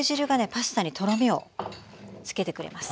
パスタにとろみをつけてくれます。